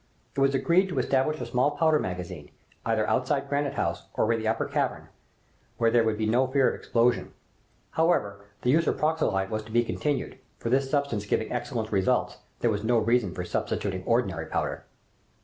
It was agreed to establish a small powder magazine, either outside Granite House or in the Upper Cavern, where there would be no fear of explosion. However, the use of pyroxyle was to be continued, for this substance giving excellent results, there was no reason for substituting ordinary powder.